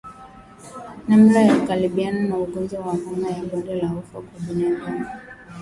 Namna ya kukabiliana na ugonjwa homa ya bonde la ufa kwa binadamu